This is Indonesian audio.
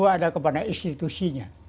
pertama adalah kepada institusinya